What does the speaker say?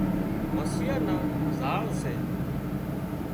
مسيان نا زاۯ سي